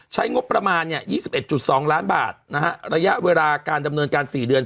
ใช้งบประมาณ๒๑๒ล้านบาทนะฮะระยะเวลาการดำเนินการ๔เดือน